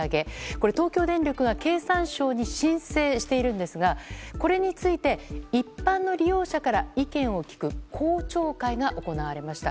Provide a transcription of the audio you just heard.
これ、東京電力が経産省に申請しているんですがこれについて一般の利用者から意見を聞く公聴会が行われました。